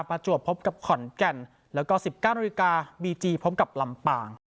ประจวบพบกับขอนแก่นแล้วก็๑๙นาฬิกาบีจีพบกับลำปาง